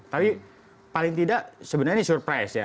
tapi paling tidak sebenarnya ini surprise ya